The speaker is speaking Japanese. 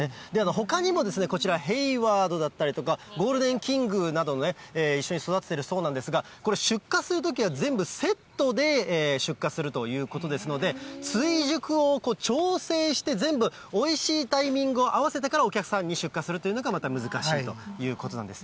ほかにもこちら、ヘイワードだったりとか、ゴールデンキングなども一緒に育ててるそうなんですが、これ、出荷するときは全部セットで出荷するということですので、追熟を調整して全部おいしいタイミングを合わせてからお客さんに出荷するというのがまた難しいということなんです。